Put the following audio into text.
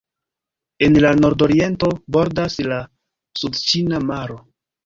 En la nordoriento bordas la sudĉina maro.